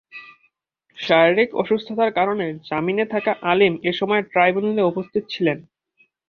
শারীরিক অসুস্থতার কারণে জামিনে থাকা আলীম এ সময় ট্রাইব্যুনালে উপস্থিত ছিলেন।